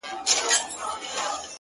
څه مسته نسه مي پـــه وجود كي ده؛